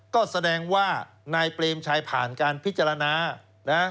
ก็แสดงว่านายเปรมชัยผ่านการพิจารณานะ